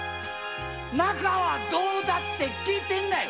仲はどうだって聞いてるんだよ！